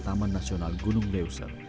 taman nasional gunung leuser